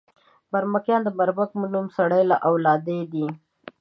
برمکیان د برمک په نوم سړي له اولاده دي.